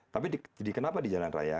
tapi kenapa di jalan raya